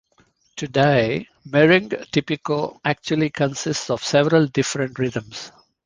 Today merengue tipico actually consists of several different rhythms.